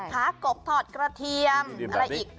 ขากบถอดกระเทียมอะไรอีก